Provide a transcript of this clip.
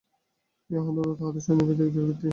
ইহা অন্তত তাহাদের স্বজাতিপ্রীতির দৃঢ়ভিত্তি।